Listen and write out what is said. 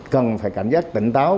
cần phải cảnh giác tỉnh táo